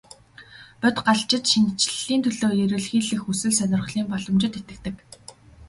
Бодгальчид шинэчлэлийн төлөө эрэлхийлэх хүсэл сонирхлын боломжид итгэдэг.